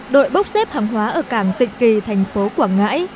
đội bốc xếp hàng hóa ở cảng tịnh kỳ thành phố quảng ngãi